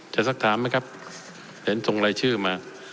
จะสักครามไหมครับเดี๋ยวนี้ส่งรายชื่อมา